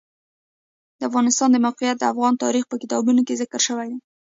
د افغانستان د موقعیت د افغان تاریخ په کتابونو کې ذکر شوی دي.